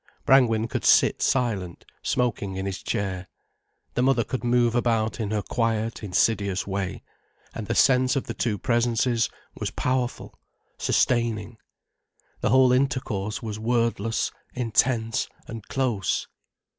Brangwen could sit silent, smoking in his chair, the mother could move about in her quiet, insidious way, and the sense of the two presences was powerful, sustaining. The whole intercourse was wordless, intense and close.